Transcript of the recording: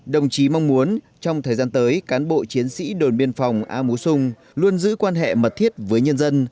đồng chí mong muốn trong thời gian tới cán bộ chiến sĩ đồn biên phòng a mú sung luôn giữ quan hệ mật thiết với nhân dân